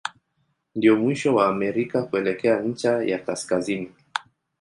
Ndio mwisho wa Amerika kuelekea ncha ya kaskazini.